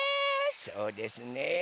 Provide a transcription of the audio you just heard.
そうですね。